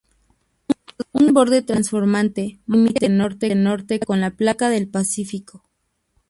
Un borde transformante marca el límite norte con la placa del Pacífico.